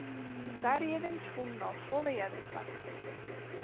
De tariedings fûnen al folle earder plak.